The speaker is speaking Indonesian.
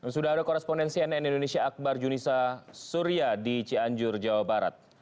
sudah ada korespondensi nn indonesia akbar junisa surya di cianjur jawa barat